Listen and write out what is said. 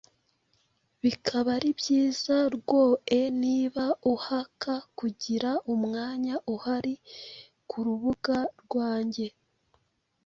bikaba ari byiza rwoe niba uhaka kugira umwanya uhari kurubuga ruange